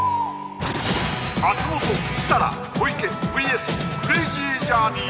松本設楽小池ＶＳクレイジージャーニー